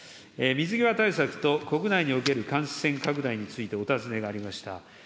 水際対策と国内における感染拡大についてお尋ねがありました。